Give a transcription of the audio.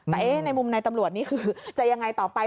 แต่ในมุมในตำรวจนี่คือจะยังไงต่อไป